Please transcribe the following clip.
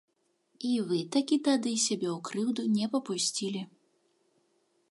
І вы такі тады сябе ў крыўду не папусцілі.